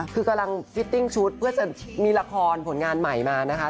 คือกำลังฟิตติ้งชุดเพื่อจะมีละครผลงานใหม่มานะคะ